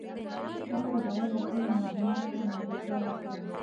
تاسو باید له خپلو ماشومانو سره ملګرتیا وکړئ.